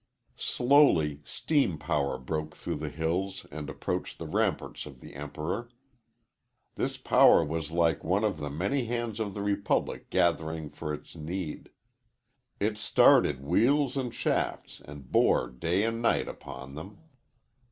Slowly steam power broke through the hills and approached the ramparts of the Emperor. This power was like one of the many hands of the republic gathering for its need. It started wheels and shafts and bore day and night upon them.